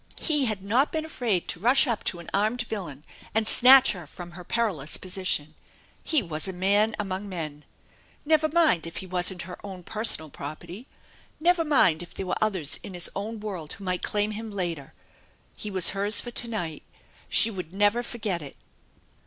He had not been afraid to rush up to an armed villain and snatch her from her perilous position ! He was a man among men ! Never mind if he wasn't her own personal property ! Never mind if there were others in his own world who might claim him later, he was hers for to night! She would never forget it!